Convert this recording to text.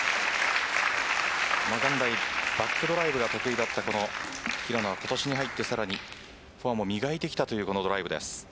バックドライブが得意だったこの平野は今年に入ってフォアも磨いてきたというドライブです。